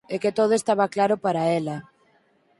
E que todo estaba claro para ela.